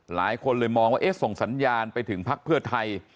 หลายคนเลยมองว่าเอ๊ะส่งสัญญาณไปถึงพักเพื่อไทย